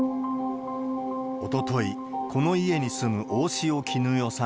おととい、この家に住む大塩衣与さん